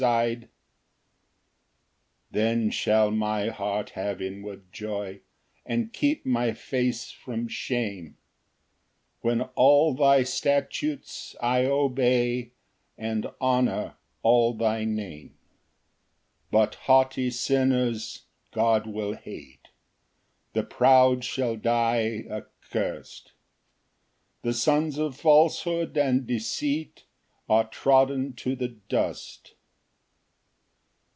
Ver. 6. 4 Then shall my heart have inward joy, And keep my face from shame, When all thy statutes I obey, And honour all thy name. Ver. 21 118. 5 But haughty sinners God will hate, The proud shall die accurst; The sons of falsehood and deceit Are trodden to the dust.